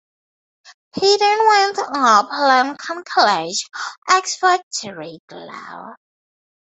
He then went up Lincoln College, Oxford to read law.